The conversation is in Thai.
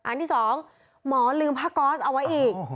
อันที่๒หมอลืมผ้าก๊อสเอาไว้อีก